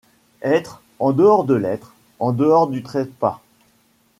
Être, en dehors de l’être, en dehors du trépas